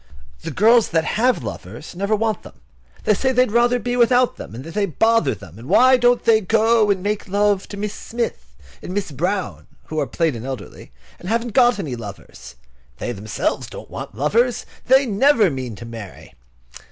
The girls that have lovers never want them. They say they would rather be without them, that they bother them, and why don't they go and make love to Miss Smith and Miss Brown, who are plain and elderly, and haven't got any lovers? They themselves don't want lovers. They never mean to marry.